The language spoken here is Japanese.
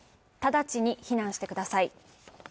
直ちに避難してください。